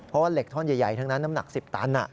เพราะว่าเหล็กท่อนใหญ่ทั้งนั้นน้ำหนัก๑๐ตัน